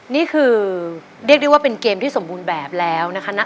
นี่คือเรียกได้ว่าเป็นเกมที่สมบูรณ์แบบแล้วนะคะ